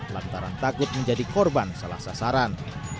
lantaran takut menjadi korban salah sasaran